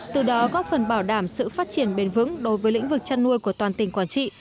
từ đó góp phần bảo đảm sự phát triển bền vững đối với lĩnh vực chăn nuôi của toàn tỉnh quảng trị